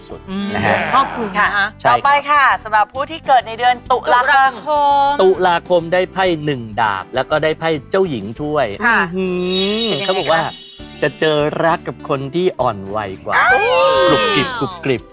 สั้นเลยแล้วก็เนี่ยคุณพ่อยัดสวดทุกวันเลย